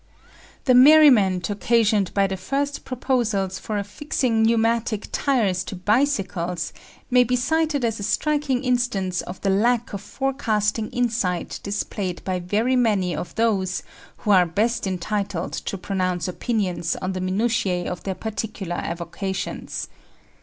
The merriment occasioned by the first proposals for affixing pneumatic tyres to bicycles may be cited as a striking instance of the lack of forecasting insight displayed by very many of those who are best entitled to pronounce opinions on the minutiae of their particular avocations.